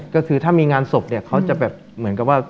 ก็คือถ้ามีงานศพเนี่ยเขาจะแบบเหมือนกับว่า